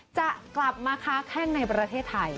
จะกลับมาค้าแข้งในประเทศไทย